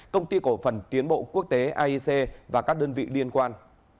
công ty cổ phần tiến bộ quốc tế aic và các đơn vị liên quan